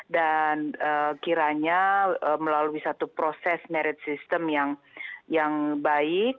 dan kiranya melalui satu proses merit system yang baik